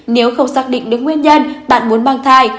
nếu không xác định được nguyên nhân bạn muốn mang thai